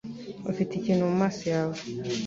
Ufite ikintu mumaso yawe